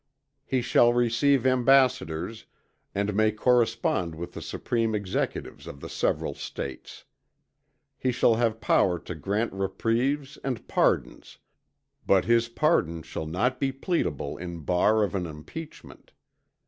He shall receive Ambassadors, and may correspond with the Supreme Executives of the several States. He shall have power to grant reprieves and pardons; but his pardon shall not be pleadable in bar of an impeachment.